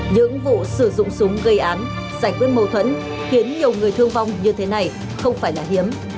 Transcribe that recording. những vụ sử dụng súng gây án giải quyết mâu thuẫn khiến nhiều người thương vong như thế này không phải là hiếm